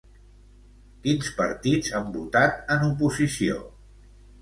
Quins partits han votat en oposició?